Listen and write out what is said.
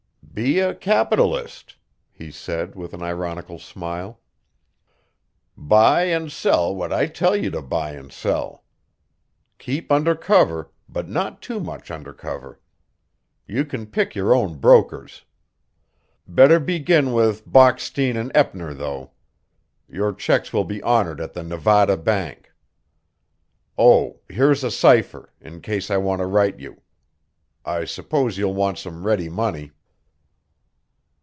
"Be a capitalist," he said with an ironical smile. "Buy and sell what I tell you to buy and sell. Keep under cover, but not too much under cover. You can pick your own brokers. Better begin with Bockstein and Eppner, though. Your checks will be honored at the Nevada Bank. Oh, here's a cipher, in case I want to write you. I suppose you'll want some ready money."